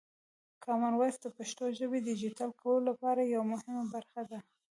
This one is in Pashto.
کامن وایس د پښتو ژبې د ډیجیټل کولو لپاره یوه مهمه برخه ده.